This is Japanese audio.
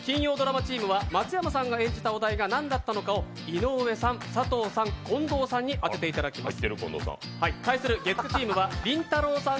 金曜ドラマチームは松山さんが演じたお題が何だったのかを井上さん、佐藤さん、近藤さんに当てていただきます。